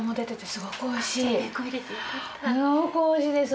すごくおいしいです。